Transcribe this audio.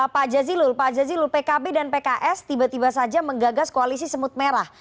pak jazilul pak jazilul pkb dan pks tiba tiba saja menggagas koalisi semut merah